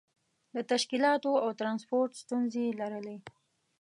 د تشکیلاتو او ترانسپورت ستونزې یې لرلې.